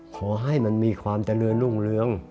ขอให้มันมีความเจริญรุ่งเรือง